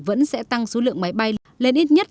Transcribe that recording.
vẫn sẽ tăng số lượng máy bay lên ít nhất